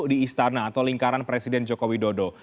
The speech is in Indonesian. di istana atau lingkaran presiden jokowi dodo